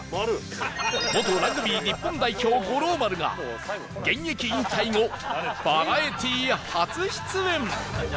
元ラグビー日本代表五郎丸が現役引退後バラエティー初出演